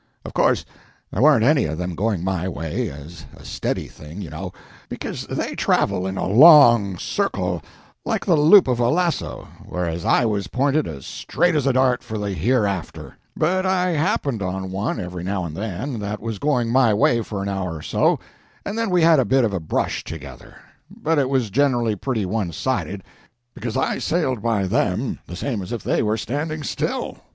Of course there warn't any of them going my way, as a steady thing, you know, because they travel in a long circle like the loop of a lasso, whereas I was pointed as straight as a dart for the Hereafter; but I happened on one every now and then that was going my way for an hour or so, and then we had a bit of a brush together. But it was generally pretty one sided, because I sailed by them the same as if they were standing still.